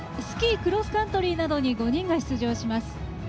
スキー・クロスカントリーなどに５人が出場します。